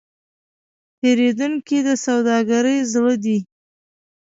پیرودونکی د سوداګرۍ زړه دی.